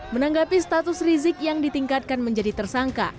menanggapi status rizik yang ditingkatkan menjadi tersangka